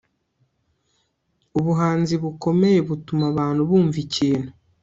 Ubuhanzi bukomeye butuma abantu bumva ikintu